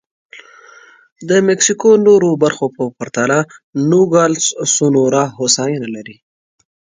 د مکسیکو نورو برخو په پرتله نوګالس سونورا هوساینه لري.